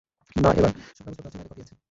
না, এবার সব কাগজপত্র আছে, বাইরে কপি আছে।